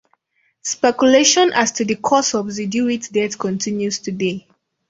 Speculation as to the cause of Zewditu's death continues today.